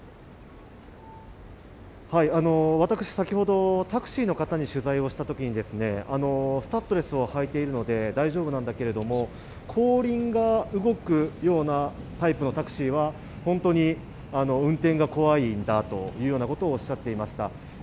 私、先ほどタクシーの方に取材をしたときに、スタッドレスを履いているので大丈夫なのだけれど後輪が動くようなタイプのタクシーは本当に運転が怖いんだとおっしゃっていました。